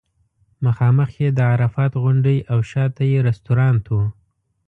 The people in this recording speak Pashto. مخامخ یې د عرفات غونډۍ او شاته یې رستورانټ و.